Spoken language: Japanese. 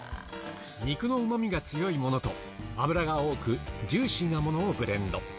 肉のうまみが強いものと、脂が多く、ジューシーなものをブレンド。